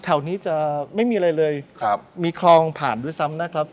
แถวนี้จะไม่มีอะไรเลยครับมีคลองผ่านด้วยซ้ำนะครับ